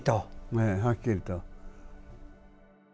ええ、はっきりと。